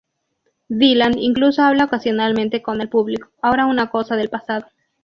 Dylan incluso habla ocasionalmente con el público, ahora una cosa del pasado.